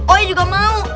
oya juga mau